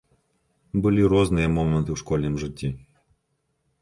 Былі розныя моманты ў школьным жыцці.